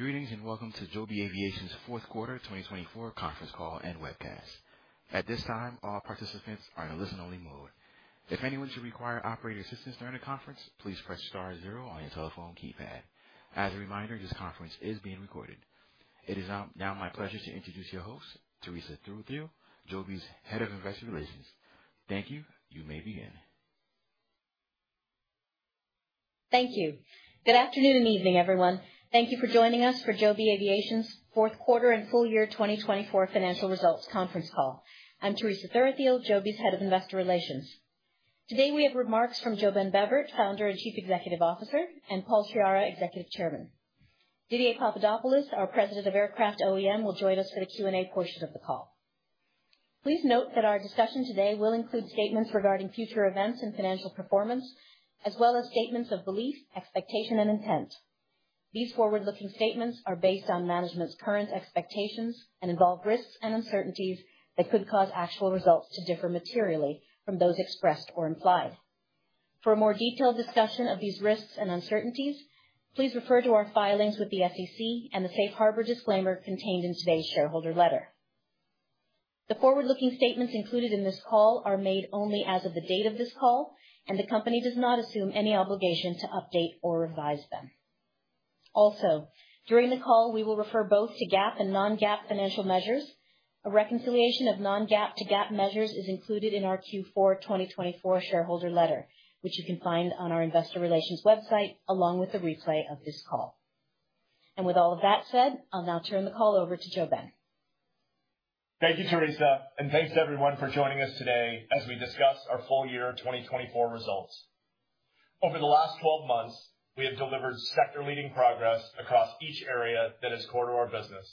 Greetings and welcome to Joby Aviation's fourth quarter 2024 conference call and webcast. At this time, all participants are in a listen-only mode. If anyone should require operator assistance during the conference, please press star zero on your telephone keypad. As a reminder, this conference is being recorded. It is now my pleasure to introduce your host, Teresa Thuruthiyil, Joby's head of investor relations. Thank you. You may begin. Thank you. Good afternoon and evening, everyone. Thank you for joining us for Joby Aviation's fourth quarter and full year 2024 financial results conference call. I'm Teresa Thuruthiyil, Joby's Head of Investor Relations. Today we have remarks from JoeBen Bevirt, founder and Chief Executive Officer, and Paul Sciarra, Executive Chairman. Didier Papadopoulos, our President of Aircraft OEM, will join us for the Q&A portion of the call. Please note that our discussion today will include statements regarding future events and financial performance, as well as statements of belief, expectation, and intent. These forward-looking statements are based on management's current expectations and involve risks and uncertainties that could cause actual results to differ materially from those expressed or implied. For a more detailed discussion of these risks and uncertainties, please refer to our filings with the SEC and the safe harbor disclaimer contained in today's shareholder letter. The forward-looking statements included in this call are made only as of the date of this call, and the company does not assume any obligation to update or revise them. Also, during the call, we will refer both to GAAP and non-GAAP financial measures. A reconciliation of non-GAAP to GAAP measures is included in our Q4 2024 shareholder letter, which you can find on our investor relations website along with the replay of this call. With all of that said, I'll now turn the call over to JoeBen. Thank you, Teresa, and thanks to everyone for joining us today as we discuss our full year 2024 results. Over the last 12 months, we have delivered sector-leading progress across each area that is core to our business: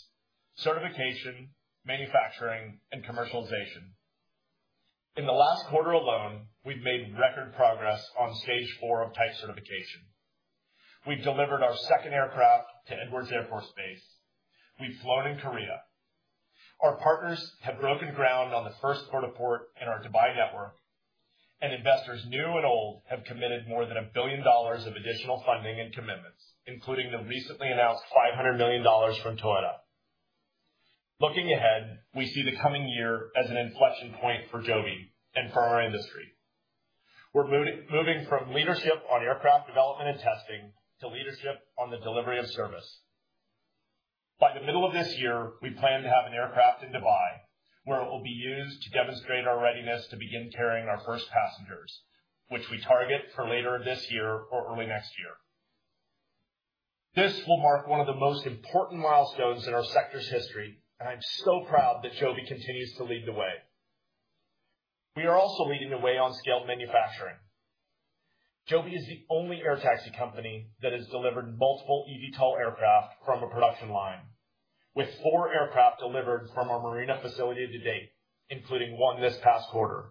certification, manufacturing, and commercialization. In the last quarter alone, we've made record progress on Stage 4 of type certification. We've delivered our second aircraft to Edwards Air Force Base. We've flown in Korea. Our partners have broken ground on the first vertiport in our Dubai network, and investors new and old have committed more than a billion dollars of additional funding and commitments, including the recently announced $500 million from Toyota. Looking ahead, we see the coming year as an inflection point for Joby and for our industry. We're moving from leadership on aircraft development and testing to leadership on the delivery of service. By the middle of this year, we plan to have an aircraft in Dubai where it will be used to demonstrate our readiness to begin carrying our first passengers, which we target for later this year or early next year. This will mark one of the most important milestones in our sector's history, and I'm so proud that Joby continues to lead the way. We are also leading the way on scaled manufacturing. Joby is the only air taxi company that has delivered multiple eVTOL aircraft from a production line, with four aircraft delivered from our Marina facility to date, including one this past quarter.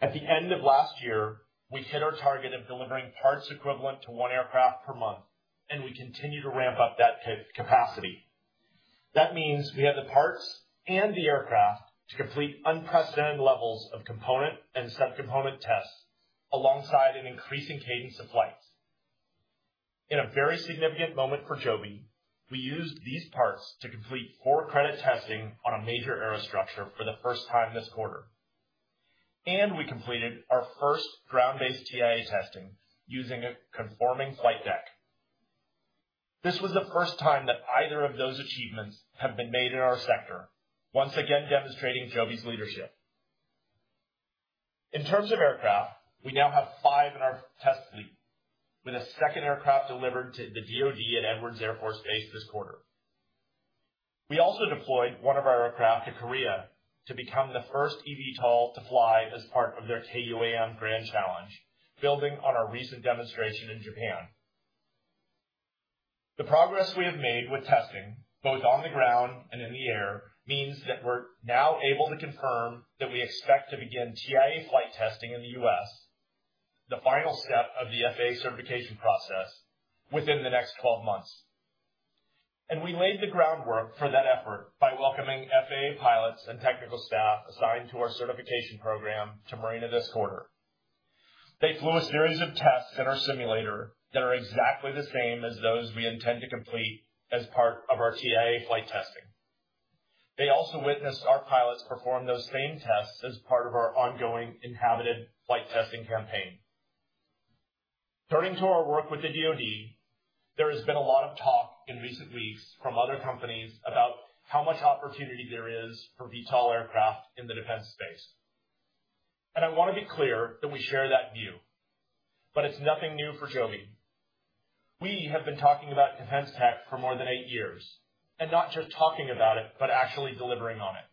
At the end of last year, we hit our target of delivering parts equivalent to one aircraft per month, and we continue to ramp up that capacity. That means we have the parts and the aircraft to complete unprecedented levels of component and subcomponent tests alongside an increasing cadence of flights. In a very significant moment for Joby, we used these parts to complete for-credit testing on a major aerostructure for the first time this quarter, and we completed our first ground-based TIA testing using a conforming flight deck. This was the first time that either of those achievements have been made in our sector, once again demonstrating Joby's leadership. In terms of aircraft, we now have five in our test fleet, with a second aircraft delivered to the DOD at Edwards Air Force Base this quarter. We also deployed one of our aircraft to Korea to become the first eVTOL to fly as part of their K-UAM Grand Challenge, building on our recent demonstration in Japan. The progress we have made with testing, both on the ground and in the air, means that we're now able to confirm that we expect to begin TIA flight testing in the U.S., the final step of the FAA certification process, within the next 12 months. And we laid the groundwork for that effort by welcoming FAA pilots and technical staff assigned to our certification program to Marina this quarter. They flew a series of tests in our simulator that are exactly the same as those we intend to complete as part of our TIA flight testing. They also witnessed our pilots perform those same tests as part of our ongoing inhabited flight testing campaign. Turning to our work with the DOD, there has been a lot of talk in recent weeks from other companies about how much opportunity there is for VTOL aircraft in the defense space. And I want to be clear that we share that view, but it's nothing new for Joby. We have been talking about defense tech for more than eight years, and not just talking about it, but actually delivering on it.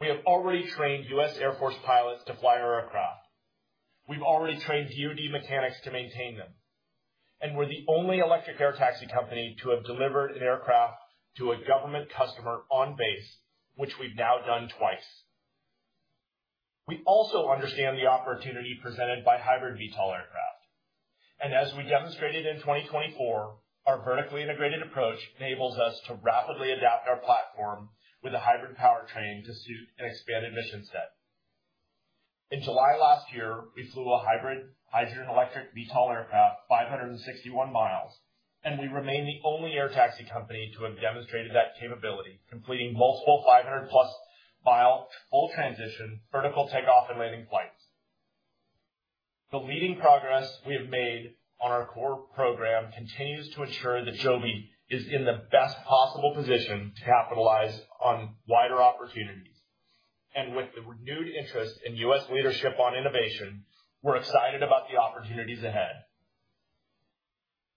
We have already trained U.S. Air Force pilots to fly our aircraft. We've already trained DOD mechanics to maintain them. And we're the only electric air taxi company to have delivered an aircraft to a government customer on base, which we've now done twice. We also understand the opportunity presented by hybrid VTOL aircraft. And as we demonstrated in 2024, our vertically integrated approach enables us to rapidly adapt our platform with a hybrid powertrain to suit an expanded mission set. In July last year, we flew a hybrid hydrogen-electric VTOL aircraft 561 miles, and we remain the only air taxi company to have demonstrated that capability, completing multiple 500-plus-mile full transition vertical takeoff and landing flights. The leading progress we have made on our core program continues to ensure that Joby is in the best possible position to capitalize on wider opportunities, and with the renewed interest in U.S. leadership on innovation, we're excited about the opportunities ahead.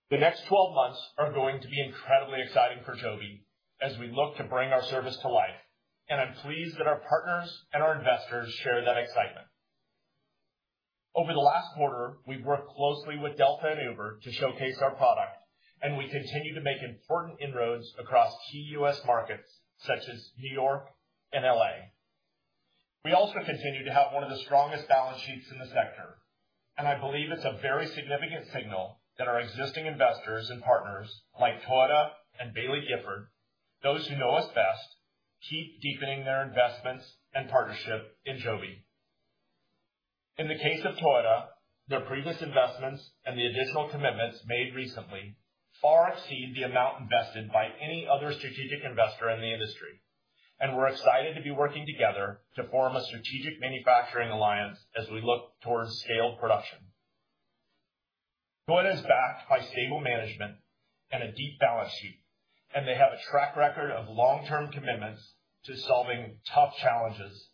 The next 12 months are going to be incredibly exciting for Joby as we look to bring our service to life, and I'm pleased that our partners and our investors share that excitement. Over the last quarter, we've worked closely with Delta and Uber to showcase our product, and we continue to make important inroads across key U.S. markets such as New York and L.A. We also continue to have one of the strongest balance sheets in the sector, and I believe it's a very significant signal that our existing investors and partners like Toyota and Baillie Gifford, those who know us best, keep deepening their investments and partnership in Joby. In the case of Toyota, their previous investments and the additional commitments made recently far exceed the amount invested by any other strategic investor in the industry, and we're excited to be working together to form a strategic manufacturing alliance as we look towards scaled production. Toyota is backed by stable management and a deep balance sheet, and they have a track record of long-term commitments to solving tough challenges,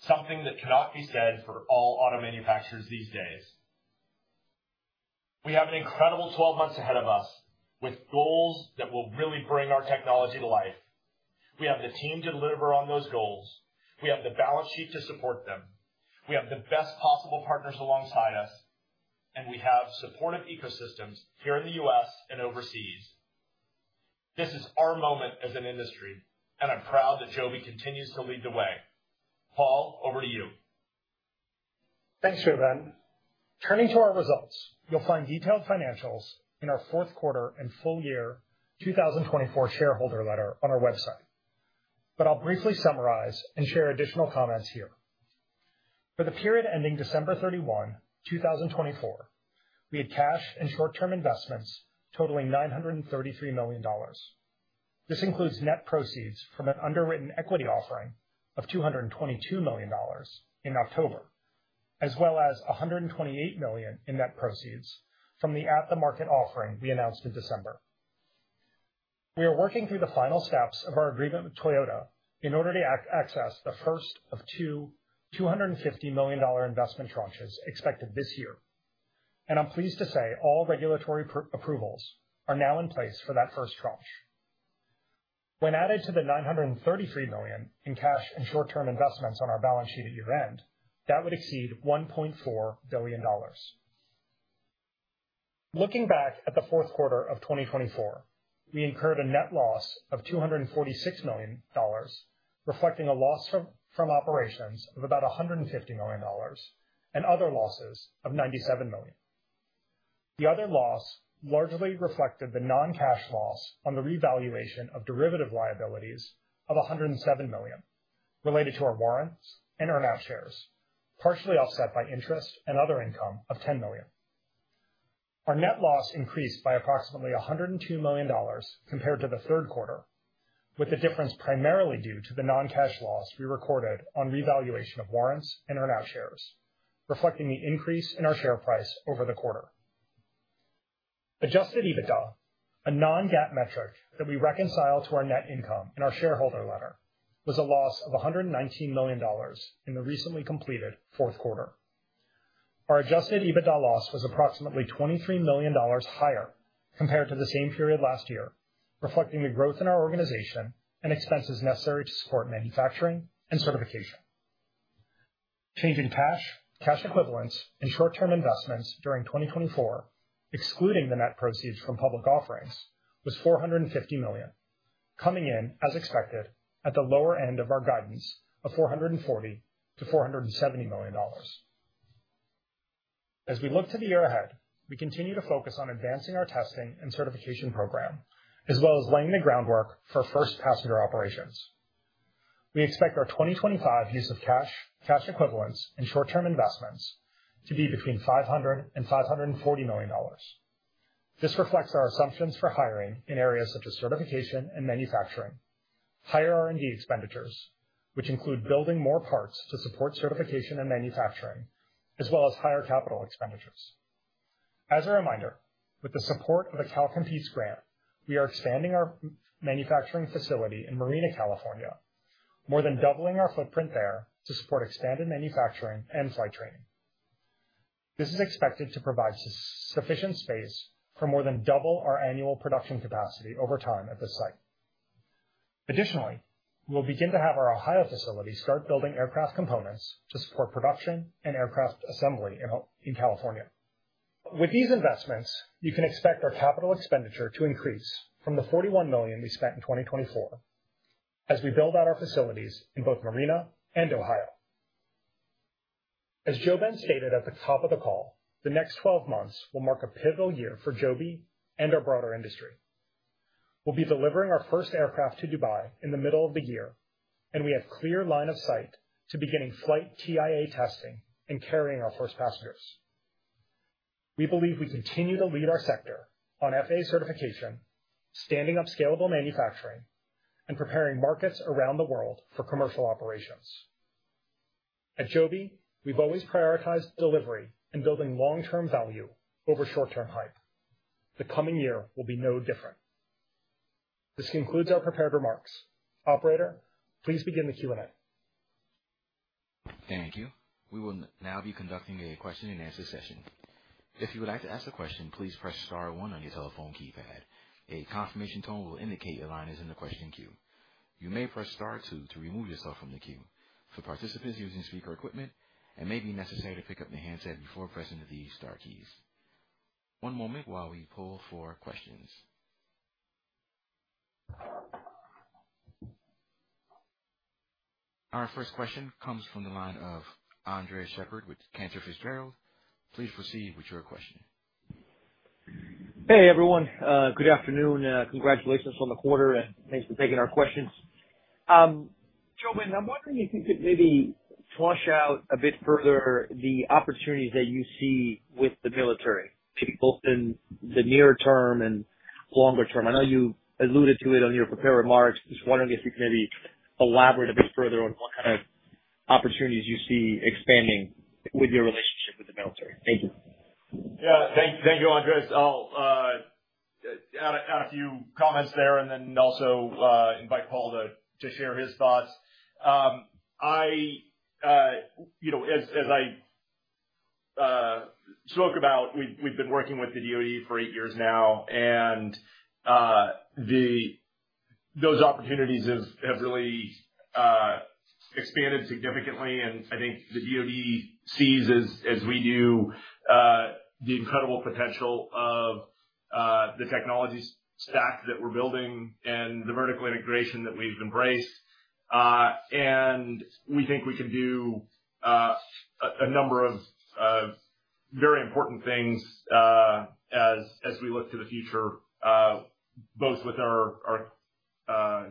something that cannot be said for all auto manufacturers these days. We have an incredible 12 months ahead of us with goals that will really bring our technology to life. We have the team to deliver on those goals. We have the balance sheet to support them. We have the best possible partners alongside us, and we have supportive ecosystems here in the U.S. and overseas. This is our moment as an industry, and I'm proud that Joby continues to lead the way. Paul, over to you. Thanks, JoeBen. Turning to our results, you'll find detailed financials in our fourth quarter and full year 2024 shareholder letter on our website. But I'll briefly summarize and share additional comments here. For the period ending December 31, 2024, we had cash and short-term investments totaling $933 million. This includes net proceeds from an underwritten equity offering of $222 million in October, as well as $128 million in net proceeds from the at-the-market offering we announced in December. We are working through the final steps of our agreement with Toyota in order to access the first of two $250 million investment tranches expected this year. And I'm pleased to say all regulatory approvals are now in place for that first tranche. When added to the $933 million in cash and short-term investments on our balance sheet at year-end, that would exceed $1.4 billion. Looking back at the fourth quarter of 2024, we incurred a net loss of $246 million, reflecting a loss from operations of about $150 million and other losses of $97 million. The other loss largely reflected the non-cash loss on the revaluation of derivative liabilities of $107 million related to our warrants and earnout shares, partially offset by interest and other income of $10 million. Our net loss increased by approximately $102 million compared to the third quarter, with the difference primarily due to the non-cash loss we recorded on revaluation of warrants and earnout shares, reflecting the increase in our share price over the quarter. Adjusted EBITDA, a non-GAAP metric that we reconcile to our net income in our shareholder letter, was a loss of $119 million in the recently completed fourth quarter. Our adjusted EBITDA loss was approximately $23 million higher compared to the same period last year, reflecting the growth in our organization and expenses necessary to support manufacturing and certification. Change in cash, cash equivalents, and short-term investments during 2024, excluding the net proceeds from public offerings, was $450 million, coming in, as expected, at the lower end of our guidance of $440 million-$470 million. As we look to the year ahead, we continue to focus on advancing our testing and certification program, as well as laying the groundwork for first passenger operations. We expect our 2025 use of cash, cash equivalents, and short-term investments to be between $500 million and $540 million. This reflects our assumptions for hiring in areas such as certification and manufacturing, higher R&D expenditures, which include building more parts to support certification and manufacturing, as well as higher capital expenditures. As a reminder, with the support of the Cal Competes grant, we are expanding our manufacturing facility in Marina, California, more than doubling our footprint there to support expanded manufacturing and flight training. This is expected to provide sufficient space for more than double our annual production capacity over time at this site. Additionally, we'll begin to have our Ohio facility start building aircraft components to support production and aircraft assembly in California. With these investments, you can expect our capital expenditure to increase from the $41 million we spent in 2024 as we build out our facilities in both Marina and Ohio. As JoeBen stated at the top of the call, the next 12 months will mark a pivotal year for Joby and our broader industry. We'll be delivering our first aircraft to Dubai in the middle of the year, and we have a clear line of sight to beginning flight TIA testing and carrying our first passengers. We believe we continue to lead our sector on FAA certification, standing up scalable manufacturing, and preparing markets around the world for commercial operations. At Joby, we've always prioritized delivery and building long-term value over short-term hype. The coming year will be no different. This concludes our prepared remarks. Operator, please begin the Q&A. Thank you. We will now be conducting a question-and-answer session. If you would like to ask a question, please press star one on your telephone keypad. A confirmation tone will indicate your line is in the question queue. You may press star two to remove yourself from the queue. For participants using speaker equipment, it may be necessary to pick up the handset before pressing the star keys. One moment while we pull for questions. Our first question comes from the line of Andres Sheppard with Cantor Fitzgerald. Please proceed with your question. Hey, everyone. Good afternoon. Congratulations on the quarter, and thanks for taking our questions. JoeBen, I'm wondering if you could maybe flesh out a bit further the opportunities that you see with the military, maybe both in the near term and longer term. I know you alluded to it in your prepared remarks. Just wondering if you could maybe elaborate a bit further on what kind of opportunities you see expanding with your relationship with the military. Thank you. Yeah, thank you, Andres. I'll add a few comments there and then also invite Paul to share his thoughts. As I spoke about, we've been working with the DOD for eight years now, and those opportunities have really expanded significantly. And I think the DOD sees, as we do, the incredible potential of the technology stack that we're building and the vertical integration that we've embraced. And we think we can do a number of very important things as we look to the future, both with our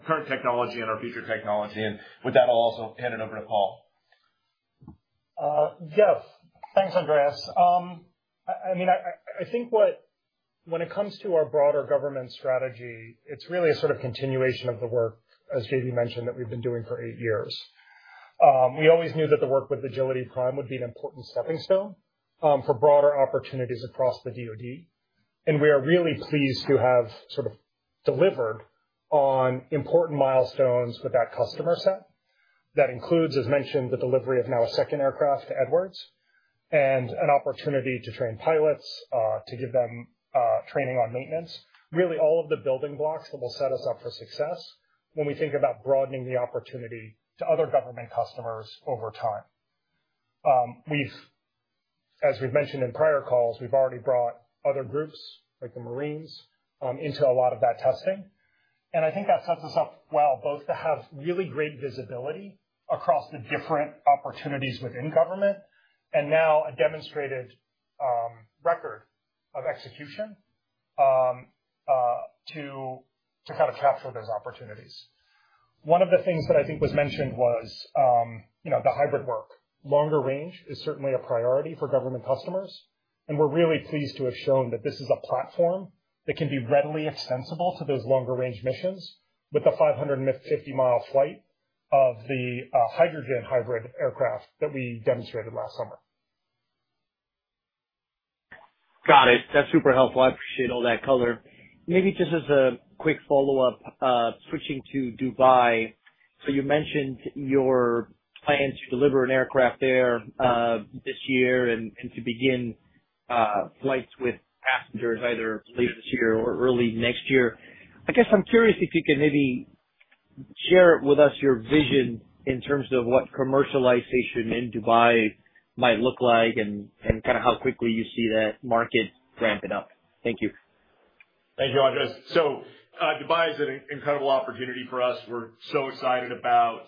current technology and our future technology. And with that, I'll also hand it over to Paul. Yes. Thanks, Andres. I mean, I think when it comes to our broader government strategy, it's really a sort of continuation of the work, as Joby mentioned, that we've been doing for eight years. We always knew that the work with Agility Prime would be an important stepping stone for broader opportunities across the DOD, and we are really pleased to have sort of delivered on important milestones with that customer set. That includes, as mentioned, the delivery of now a second aircraft to Edwards and an opportunity to train pilots, to give them training on maintenance, really all of the building blocks that will set us up for success when we think about broadening the opportunity to other government customers over time. As we've mentioned in prior calls, we've already brought other groups like the Marines into a lot of that testing. And I think that sets us up well, both to have really great visibility across the different opportunities within government and now a demonstrated record of execution to kind of capture those opportunities. One of the things that I think was mentioned was the hybrid work. Longer range is certainly a priority for government customers. And we're really pleased to have shown that this is a platform that can be readily extensible to those longer-range missions with the 550-mile flight of the hydrogen hybrid aircraft that we demonstrated last summer. Got it. That's super helpful. I appreciate all that color. Maybe just as a quick follow-up, switching to Dubai. So you mentioned your plans to deliver an aircraft there this year and to begin flights with passengers either later this year or early next year. I guess I'm curious if you can maybe share with us your vision in terms of what commercialization in Dubai might look like and kind of how quickly you see that market ramping up. Thank you. Thank you, Andres. Dubai is an incredible opportunity for us. We're so excited about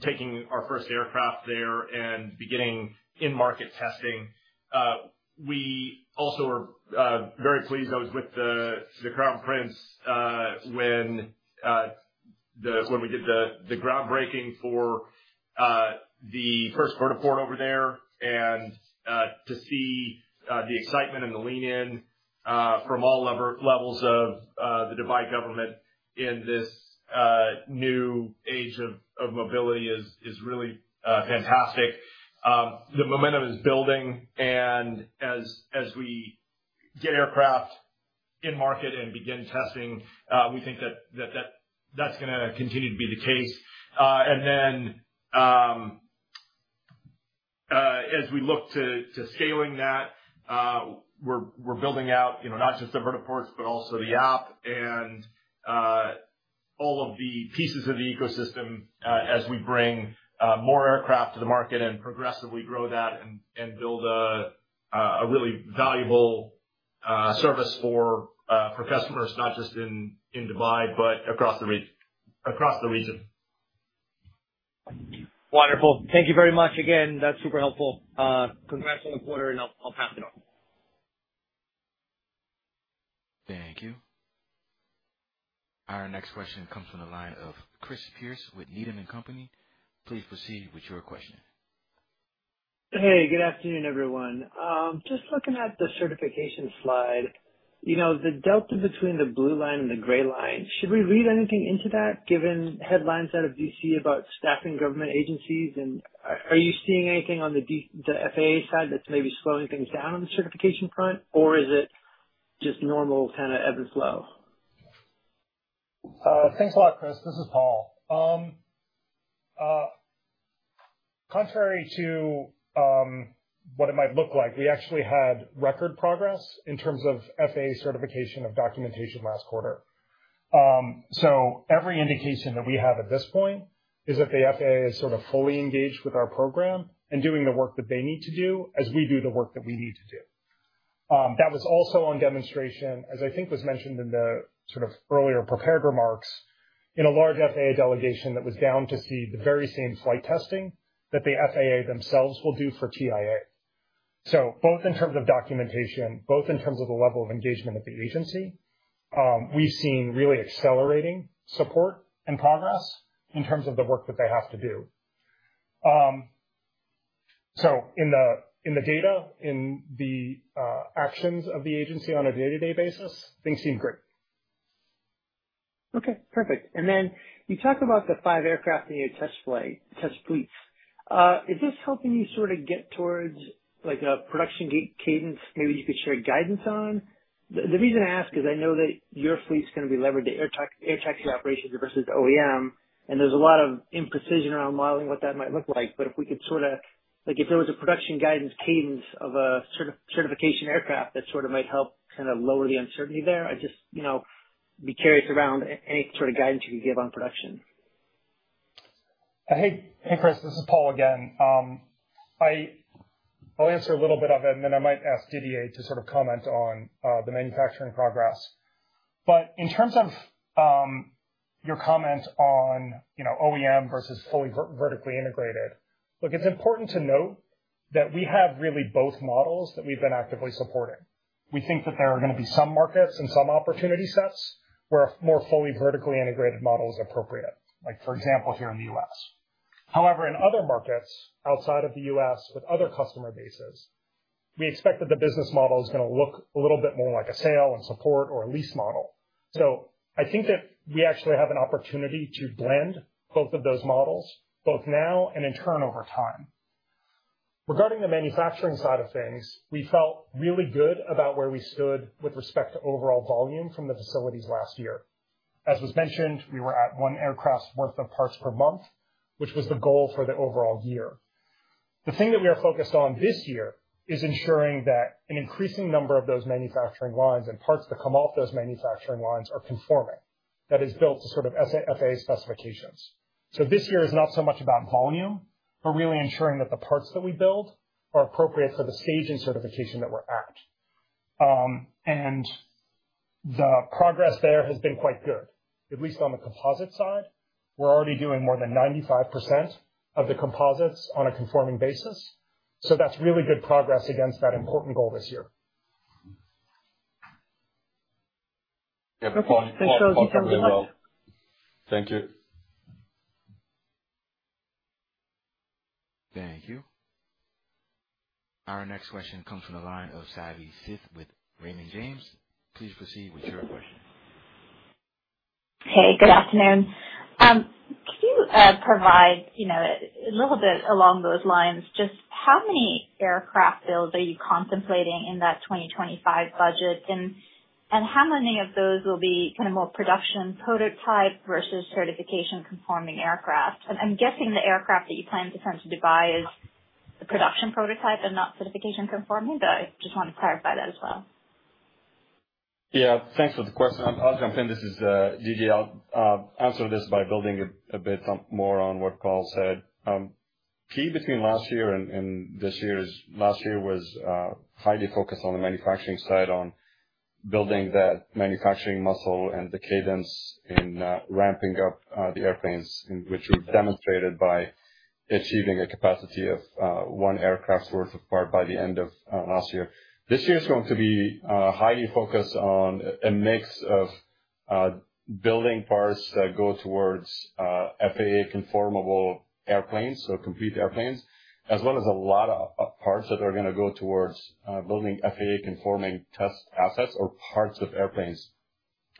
taking our first aircraft there and beginning in-market testing. We also are very pleased. I was with the Crown Prince when we did the groundbreaking for the first vertiport over there. And to see the excitement and the lean-in from all levels of the Dubai government in this new age of mobility is really fantastic. The momentum is building. And as we get aircraft in market and begin testing, we think that that's going to continue to be the case. And then as we look to scaling that, we're building out not just the vertiports, but also the app and all of the pieces of the ecosystem as we bring more aircraft to the market and progressively grow that and build a really valuable service for customers, not just in Dubai, but across the region. Wonderful. Thank you very much again. That's super helpful. Congrats on the quarter, and I'll pass it off. Thank you. Our next question comes from the line of Chris Pierce with Needham & Company. Please proceed with your question. Hey, good afternoon, everyone. Just looking at the certification slide, the delta between the blue line and the gray line, should we read anything into that given headlines out of D.C. about staffing government agencies? And are you seeing anything on the FAA side that's maybe slowing things down on the certification front, or is it just normal kind of ebb and flow? Thanks a lot, Chris. This is Paul. Contrary to what it might look like, we actually had record progress in terms of FAA certification of documentation last quarter. So every indication that we have at this point is that the FAA is sort of fully engaged with our program and doing the work that they need to do as we do the work that we need to do. That was also on demonstration, as I think was mentioned in the sort of earlier prepared remarks, in a large FAA delegation that was down to see the very same flight testing that the FAA themselves will do for TIA. So both in terms of documentation, both in terms of the level of engagement at the agency, we've seen really accelerating support and progress in terms of the work that they have to do. In the data, in the actions of the agency on a day-to-day basis, things seem great. Okay, perfect. And then you talked about the five aircraft in your test fleets. Is this helping you sort of get towards a production cadence, maybe you could share guidance on? The reason I ask is I know that your fleet's going to be levered to air taxi operations versus OEM, and there's a lot of imprecision around modeling what that might look like. But if we could sort of, if there was a production guidance cadence of a certification aircraft that sort of might help kind of lower the uncertainty there, I'd just be curious around any sort of guidance you could give on production. Hey, hey, Chris. This is Paul again. I'll answer a little bit of it, and then I might ask Didier to sort of comment on the manufacturing progress. But in terms of your comment on OEM versus fully vertically integrated, look, it's important to note that we have really both models that we've been actively supporting. We think that there are going to be some markets and some opportunity sets where a more fully vertically integrated model is appropriate, for example, here in the U.S. However, in other markets outside of the U.S. with other customer bases, we expect that the business model is going to look a little bit more like a sale and support or a lease model. So I think that we actually have an opportunity to blend both of those models, both now and in turn over time. Regarding the manufacturing side of things, we felt really good about where we stood with respect to overall volume from the facilities last year. As was mentioned, we were at one aircraft's worth of parts per month, which was the goal for the overall year. The thing that we are focused on this year is ensuring that an increasing number of those manufacturing lines and parts that come off those manufacturing lines are conforming, that is built to sort of FAA specifications. So this year is not so much about volume, but really ensuring that the parts that we build are appropriate for the stage and certification that we're at. And the progress there has been quite good, at least on the composite side. We're already doing more than 95% of the composites on a conforming basis. So that's really good progress against that important goal this year. Yeah, that's all. Thank you. Thank you. Our next question comes from the line of Savi Syth with Raymond James. Please proceed with your question. Hey, good afternoon. Can you provide a little bit along those lines? Just how many aircraft builds are you contemplating in that 2025 budget, and how many of those will be kind of more production prototype versus certification-conforming aircraft? I'm guessing the aircraft that you plan to send to Dubai is the production prototype and not certification-conforming, but I just want to clarify that as well. Yeah, thanks for the question. I'll jump in. This is Didier. I'll answer this by building a bit more on what Paul said. Key between last year and this year is last year was highly focused on the manufacturing side on building that manufacturing muscle and the cadence in ramping up the airplanes, which were demonstrated by achieving a capacity of one aircraft's worth of part by the end of last year. This year is going to be highly focused on a mix of building parts that go towards FAA-conformable airplanes, so complete airplanes, as well as a lot of parts that are going to go towards building FAA-conforming test assets or parts of airplanes,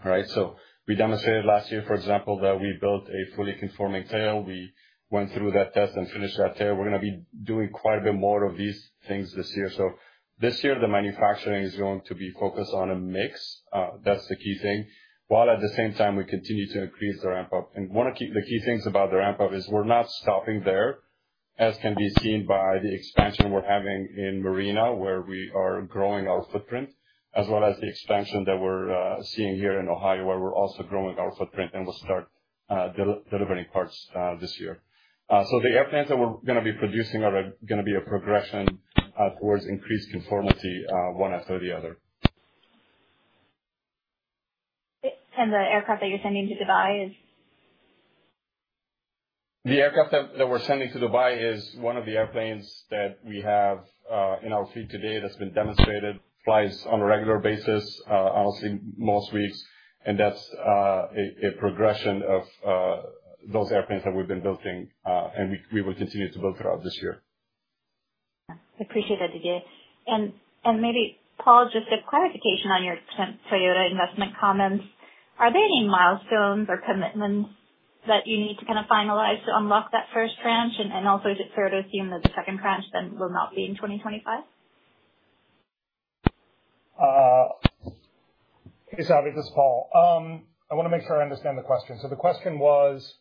right? So we demonstrated last year, for example, that we built a fully conforming tail. We went through that test and finished that tail. We're going to be doing quite a bit more of these things this year. So this year, the manufacturing is going to be focused on a mix. That's the key thing. While at the same time, we continue to increase the ramp-up. And one of the key things about the ramp-up is we're not stopping there, as can be seen by the expansion we're having in Marina, where we are growing our footprint, as well as the expansion that we're seeing here in Ohio, where we're also growing our footprint and will start delivering parts this year. So the airplanes that we're going to be producing are going to be a progression towards increased conformity one after the other. The aircraft that you're sending to Dubai is? The aircraft that we're sending to Dubai is one of the airplanes that we have in our fleet today that's been demonstrated, flies on a regular basis, honestly, most weeks, and that's a progression of those airplanes that we've been building, and we will continue to build throughout this year. I appreciate that, Didier. And maybe, Paul, just a clarification on your Toyota investment comments. Are there any milestones or commitments that you need to kind of finalize to unlock that first tranche? And also, is it fair to assume that the second tranche then will not be in 2025? Hey, Savi. This is Paul. I want to make sure I understand the question. So the question was,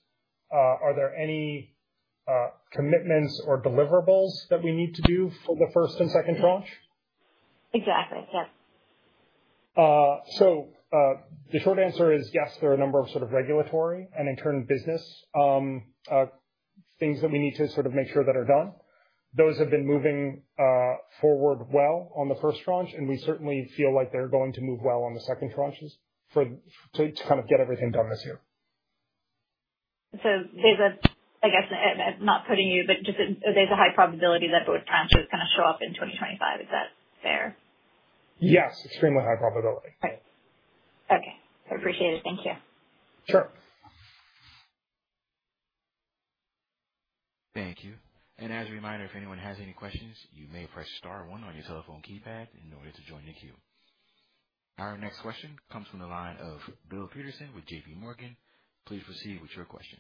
are there any commitments or deliverables that we need to do for the first and second tranche? Exactly. Yep. So the short answer is yes, there are a number of sort of regulatory and, in turn, business things that we need to sort of make sure that are done. Those have been moving forward well on the first tranche, and we certainly feel like they're going to move well on the second tranches to kind of get everything done this year. There's, I guess, not putting you, but just there's a high probability that both tranches kind of show up in 2025. Is that fair? Yes, extremely high probability. Okay. I appreciate it. Thank you. Sure. Thank you. And as a reminder, if anyone has any questions, you may press star one on your telephone keypad in order to join the queue. Our next question comes from the line of Bill Peterson with JPMorgan. Please proceed with your question.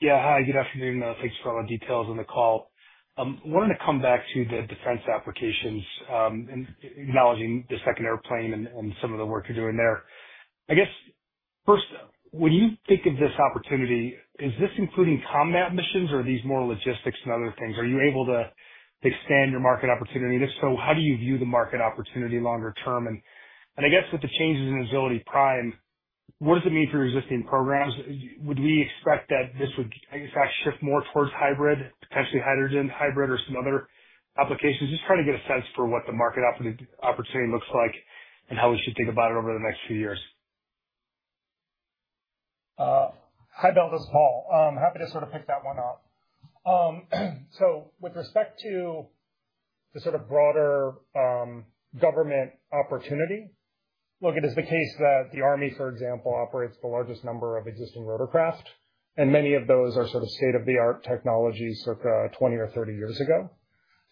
Yeah. Hi, good afternoon. Thanks for all the details on the call. I wanted to come back to the defense applications and acknowledging the second airplane and some of the work you're doing there. I guess, first, when you think of this opportunity, is this including combat missions or are these more logistics and other things? Are you able to expand your market opportunity? And if so, how do you view the market opportunity longer term? And I guess with the changes in Agility Prime, what does it mean for your existing programs? Would we expect that this would, I guess, shift more towards hybrid, potentially hydrogen hybrid, or some other applications? Just trying to get a sense for what the market opportunity looks like and how we should think about it over the next few years. Hi Bill, this is Paul. Happy to sort of pick that one up, so with respect to the sort of broader government opportunity, look, it is the case that the Army, for example, operates the largest number of existing rotorcraft, and many of those are sort of state-of-the-art technologies circa 20 or 30 years ago,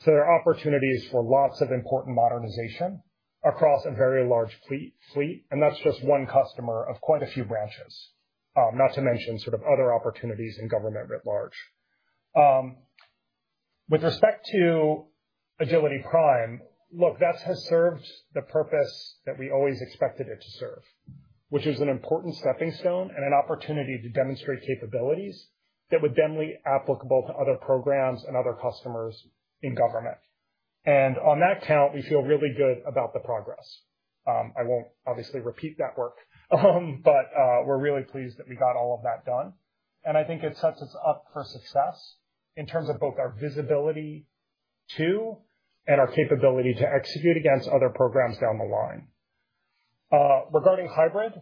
so there are opportunities for lots of important modernization across a very large fleet, and that's just one customer of quite a few branches, not to mention sort of other opportunities in government writ large. With respect to Agility Prime, look, that has served the purpose that we always expected it to serve, which is an important stepping stone and an opportunity to demonstrate capabilities that would then be applicable to other programs and other customers in government, and on that count, we feel really good about the progress. I won't obviously repeat that work, but we're really pleased that we got all of that done, and I think it sets us up for success in terms of both our visibility too and our capability to execute against other programs down the line. Regarding hybrid,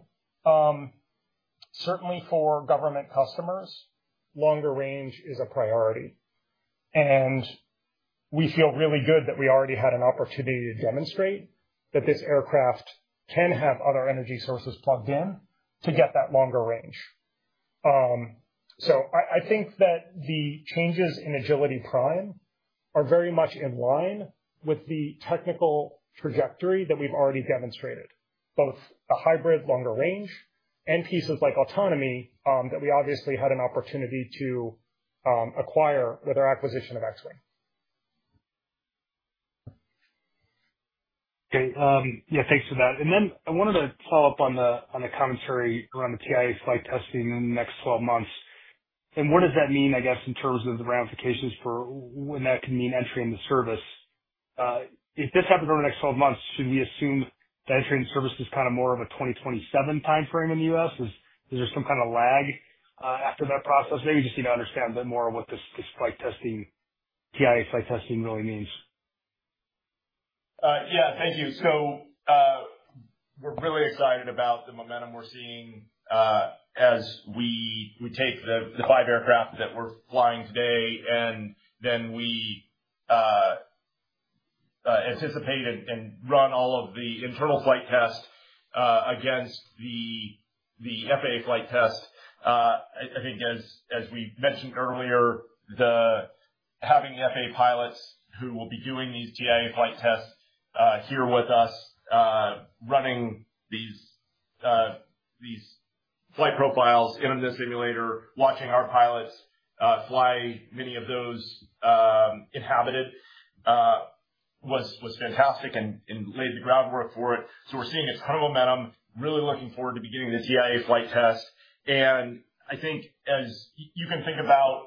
certainly for government customers, longer range is a priority, and we feel really good that we already had an opportunity to demonstrate that this aircraft can have other energy sources plugged in to get that longer range, so I think that the changes in Agility Prime are very much in line with the technical trajectory that we've already demonstrated, both a hybrid longer range and pieces like autonomy that we obviously had an opportunity to acquire with our acquisition of Xwing. Okay. Yeah, thanks for that. And then I wanted to follow up on the commentary around the TIA flight testing in the next 12 months. And what does that mean, I guess, in terms of the ramifications for when that can mean entry into service? If this happens over the next 12 months, should we assume that entry into service is kind of more of a 2027 timeframe in the U.S.? Is there some kind of lag after that process? Maybe just to understand a bit more of what this flight testing, TIA flight testing really means. Yeah, thank you. So we're really excited about the momentum we're seeing as we take the five aircraft that we're flying today, and then we anticipate and run all of the internal flight tests against the FAA flight test. I think, as we mentioned earlier, having the FAA pilots who will be doing these TIA flight tests here with us, running these flight profiles in the simulator, watching our pilots fly many of those inhabited was fantastic and laid the groundwork for it. So we're seeing a ton of momentum, really looking forward to beginning the TIA flight test. And I think, as you can think about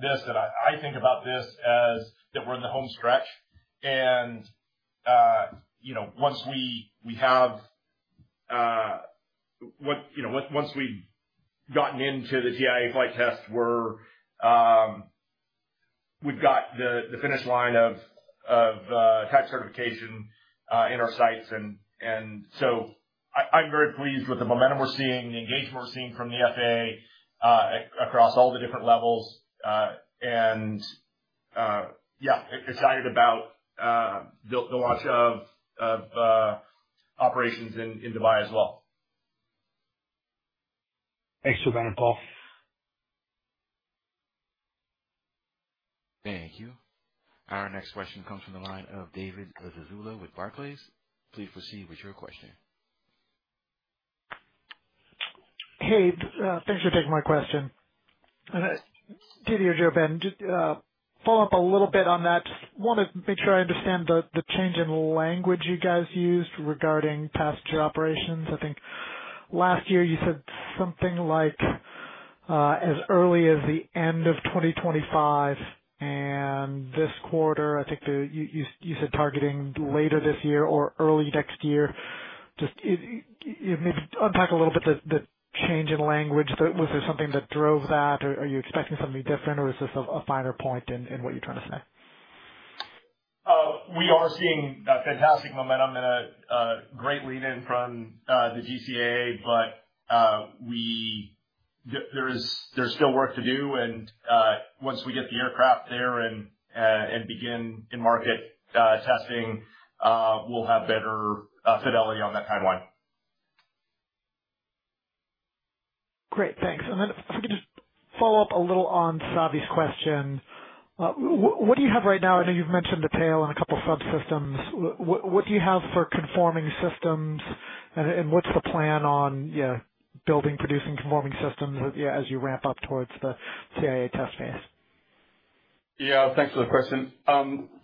this, and I think about this as that we're in the home stretch. And once we've gotten into the TIA flight test, we've got the finish line of type certification in our sights. And so I'm very pleased with the momentum we're seeing, the engagement we're seeing from the FAA across all the different levels. And yeah, excited about the launch of operations in Dubai as well. Thanks for that, Paul. Thank you. Our next question comes from the line of David Zazula with Barclays. Please proceed with your question. Hey, thanks for taking my question. Didier or JoeBen, follow up a little bit on that. Just want to make sure I understand the change in language you guys used regarding passenger operations. I think last year you said something like as early as the end of 2025 and this quarter. I think you said targeting later this year or early next year. Just maybe unpack a little bit the change in language. Was there something that drove that? Are you expecting something different, or is this a finer point in what you're trying to say? We are seeing fantastic momentum and a great lead-in from the GCAA, but there's still work to do, and once we get the aircraft there and begin in-market testing, we'll have better fidelity on that timeline. Great. Thanks. And then if I could just follow up a little on Savi's question. What do you have right now? I know you've mentioned the tail and a couple of subsystems. What do you have for conforming systems, and what's the plan on building producing conforming systems as you ramp up towards the TIA test phase? Yeah, thanks for the question.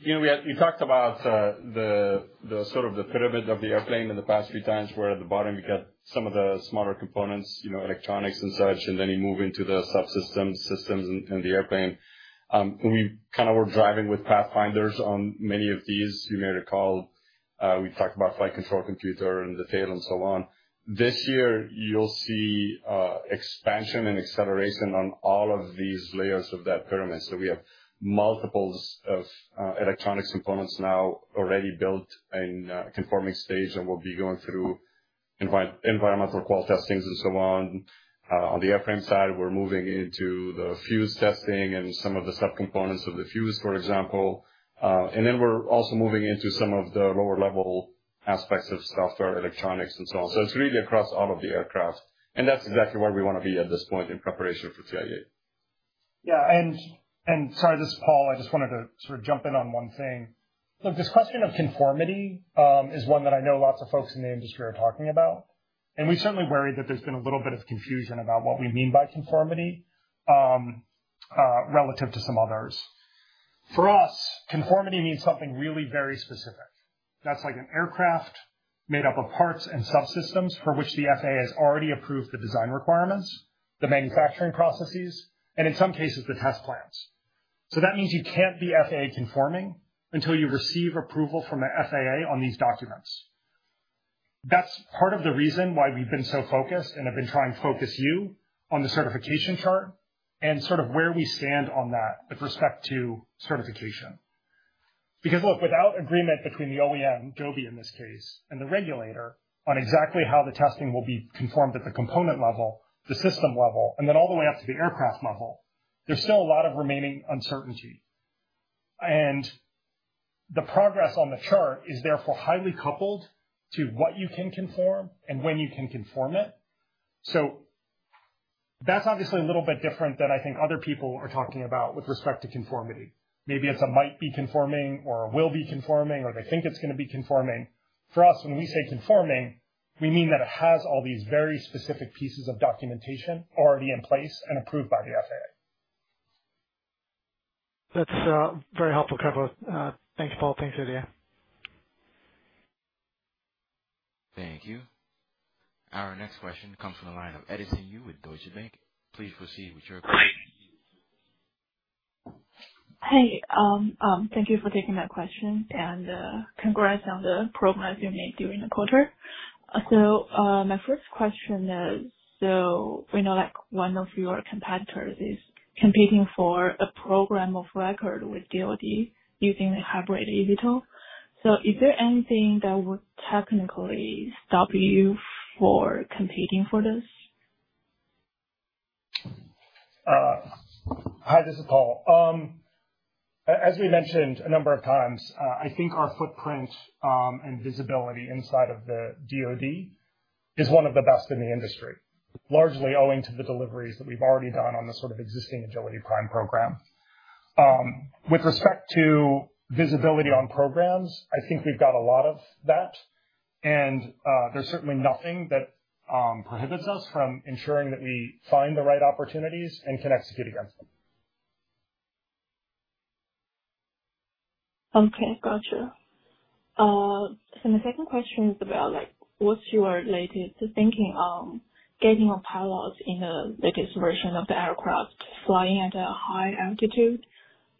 You talked about the sort of the pyramid of the airplane in the past few times where at the bottom you got some of the smaller components, electronics and such, and then you move into the subsystems, systems, and the airplane. We kind of were driving with Pathfinders on many of these. You may recall we talked about flight control computer and the tail and so on. This year, you'll see expansion and acceleration on all of these layers of that pyramid. So we have multiples of electronics components now already built in conforming stage and will be going through environmental quality testings and so on. On the airframe side, we're moving into the fuselage testing and some of the subcomponents of the fuselage, for example. Then we're also moving into some of the lower-level aspects of software, electronics, and so on. So it's really across all of the aircraft. And that's exactly where we want to be at this point in preparation for TIA. Yeah. And sorry, this is Paul. I just wanted to sort of jump in on one thing. Look, this question of conformity is one that I know lots of folks in the industry are talking about. And we certainly worry that there's been a little bit of confusion about what we mean by conformity relative to some others. For us, conformity means something really very specific. That's like an aircraft made up of parts and subsystems for which the FAA has already approved the design requirements, the manufacturing processes, and in some cases, the test plans. So that means you can't be FAA conforming until you receive approval from the FAA on these documents. That's part of the reason why we've been so focused and have been trying to focus you on the certification chart and sort of where we stand on that with respect to certification. Because, look, without agreement between the OEM, Joby in this case, and the regulator on exactly how the testing will be conformed at the component level, the system level, and then all the way up to the aircraft level, there's still a lot of remaining uncertainty. And the progress on the chart is therefore highly coupled to what you can conform and when you can conform it. So that's obviously a little bit different than I think other people are talking about with respect to conformity. Maybe it's a might be conforming or will be conforming or they think it's going to be conforming. For us, when we say conforming, we mean that it has all these very specific pieces of documentation already in place and approved by the FAA. That's very helpful. Thanks, Paul. Thanks, Didier. Thank you. Our next question comes from the line of Edison Yu with Deutsche Bank. Please proceed with your question. Hey, thank you for taking that question and congrats on the progress you made during the quarter. So my first question is, so we know one of your competitors is competing for a program of record with DOD using the hybrid eVTOL. So is there anything that would technically stop you from competing for this? Hi, this is Paul. As we mentioned a number of times, I think our footprint and visibility inside of the DOD is one of the best in the industry, largely owing to the deliveries that we've already done on the sort of existing Agility Prime program. With respect to visibility on programs, I think we've got a lot of that. And there's certainly nothing that prohibits us from ensuring that we find the right opportunities and can execute against them. Okay, gotcha. So my second question is about what's your latest thinking on getting a pilot in the latest version of the aircraft flying at a high altitude?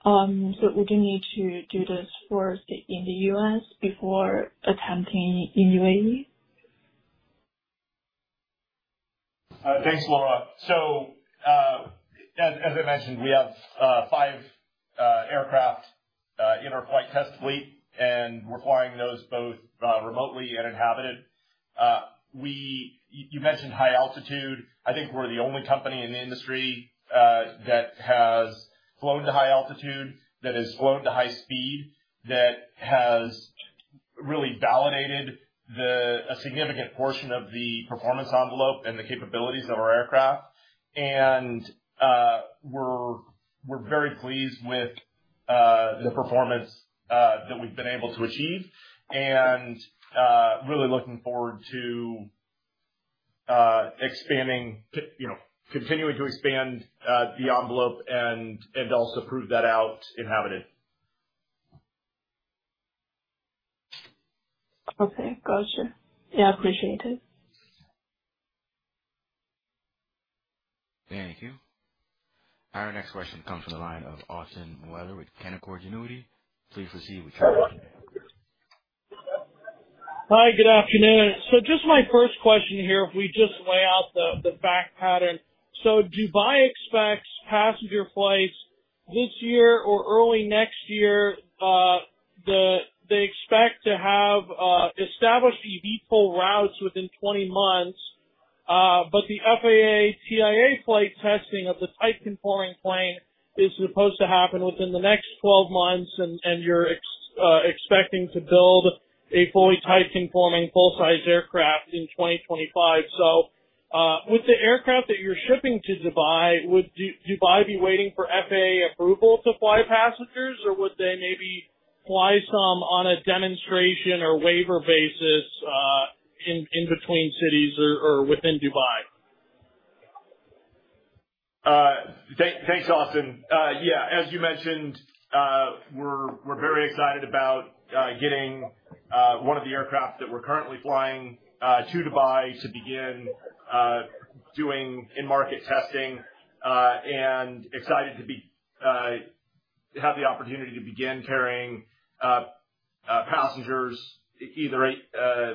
So would you need to do this first in the U.S. before attempting in UAE? Thanks, Laura. So as I mentioned, we have five aircraft in our flight test fleet, and we're flying those both remotely and inhabited. You mentioned high altitude. I think we're the only company in the industry that has flown to high altitude, that has flown to high speed, that has really validated a significant portion of the performance envelope and the capabilities of our aircraft. And we're very pleased with the performance that we've been able to achieve and really looking forward to continuing to expand the envelope and also prove that out inhabited. Okay, gotcha. Yeah, appreciate it. Thank you. Our next question comes from the line of Austin Moeller with Canaccord Genuity. Please proceed with your question. Hi, good afternoon. So just my first question here, if we just lay out the fact pattern. So Dubai expects passenger flights this year or early next year. They expect to have established eVTOL routes within 20 months, but the FAA TIA flight testing of the type conforming plane is supposed to happen within the next 12 months, and you're expecting to build a fully type conforming full-size aircraft in 2025. So with the aircraft that you're shipping to Dubai, would Dubai be waiting for FAA approval to fly passengers, or would they maybe fly some on a demonstration or waiver basis in between cities or within Dubai? Thanks, Austin. Yeah, as you mentioned, we're very excited about getting one of the aircraft that we're currently flying to Dubai to begin doing in-market testing and excited to have the opportunity to begin carrying passengers either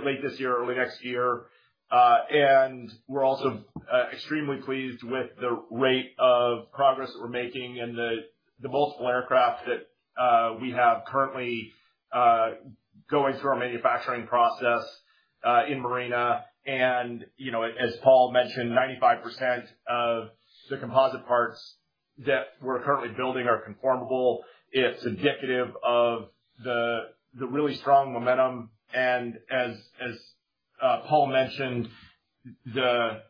late this year or early next year. And we're also extremely pleased with the rate of progress that we're making and the multiple aircraft that we have currently going through our manufacturing process in Marina. And as Paul mentioned, 95% of the composite parts that we're currently building are conforming. It's indicative of the really strong momentum. And as Paul mentioned, the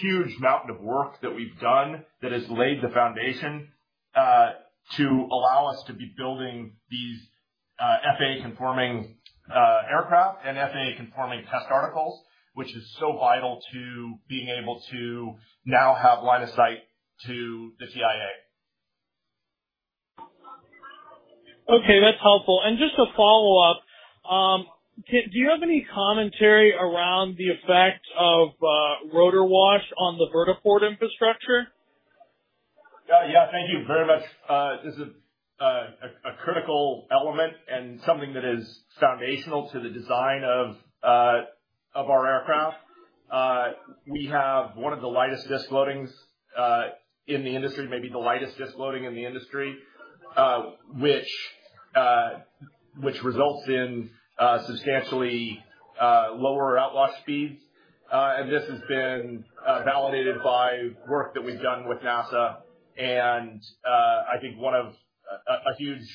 huge mountain of work that we've done that has laid the foundation to allow us to be building these FAA conforming aircraft and FAA conforming test articles, which is so vital to being able to now have line of sight to the TIA. Okay, that's helpful. And just to follow up, do you have any commentary around the effect of rotor wash on the vertiport infrastructure? Yeah, thank you very much. This is a critical element and something that is foundational to the design of our aircraft. We have one of the lightest disc loadings in the industry, maybe the lightest disc loading in the industry, which results in substantially lower outwash speeds. And this has been validated by work that we've done with NASA. And I think one of a huge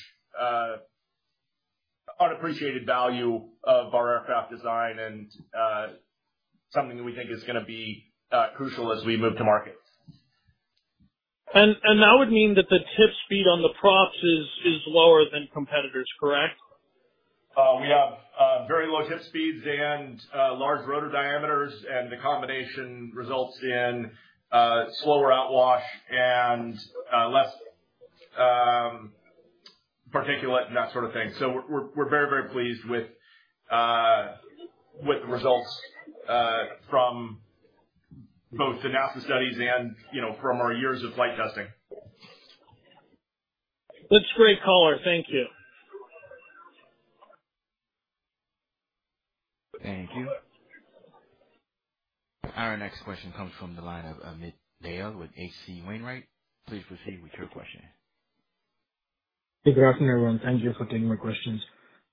unappreciated value of our aircraft design and something that we think is going to be crucial as we move to market. That would mean that the tip speed on the props is lower than competitors, correct? We have very low tip speeds and large rotor diameters, and the combination results in slower outwash and less particulate and that sort of thing. So we're very, very pleased with the results from both the NASA studies and from our years of flight testing. That's great color. Thank you. Thank you. Our next question comes from the line of Amit Dayal with H.C. Wainwright. Please proceed with your question. Hey, good afternoon, everyone. Thank you for taking my questions.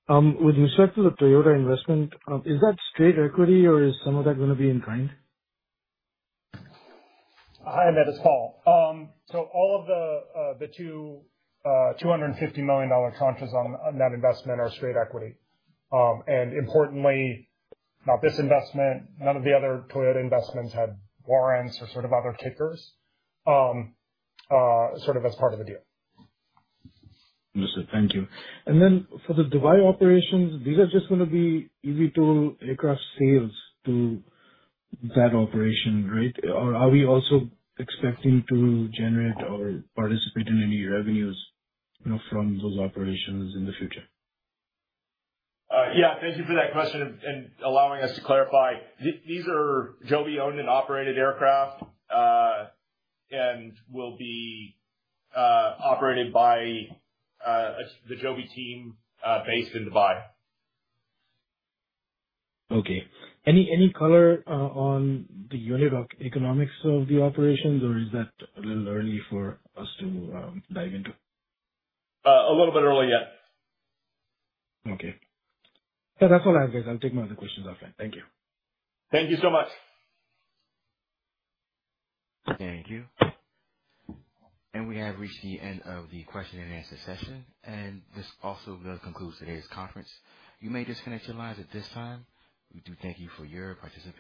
With respect to the Toyota investment, is that straight equity or is some of that going to be in kind? Hi, Amit. It's Paul. So all of the two $250 million tranches on that investment are straight equity. And importantly, not this investment, none of the other Toyota investments had warrants or sort of other kickers sort of as part of the deal. Understood. Thank you. And then for the Dubai operations, these are just going to be eVTOL aircraft sales to that operation, right? Or are we also expecting to generate or participate in any revenues from those operations in the future? Yeah, thank you for that question and allowing us to clarify. These are Joby-owned and operated aircraft and will be operated by the Joby team based in Dubai. Okay. Any color on the unit or economics of the operations, or is that a little early for us to dive into? A little bit early, yes. Okay. Yeah, that's all I have, guys. I'll take my other questions offline. Thank you. Thank you so much. Thank you. And we have reached the end of the question and answer session. And this also concludes today's conference. You may disconnect your lines at this time. We do thank you for your participation.